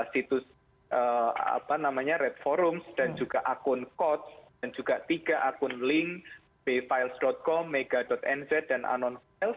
situs redforums dan juga akun kots dan juga tiga akun link bfiles com mega nz dan anonfiles